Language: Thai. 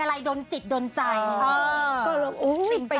กลางแม่นก็คืออันที่นี่